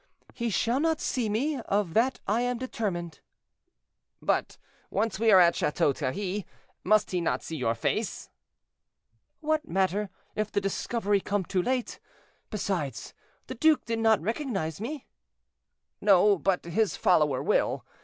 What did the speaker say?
"He shall not see me; of that I am determined." "But once we are at Chateau Thierry, must he not see your face?" "What matter, if the discovery come too late? Besides, the duke did not recognize me." "No, but his follower will.